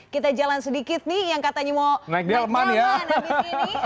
kita jalan sedikit nih yang katanya mau naik keamanan